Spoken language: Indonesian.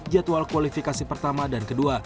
jadwal kualifikasi pertama dan kedua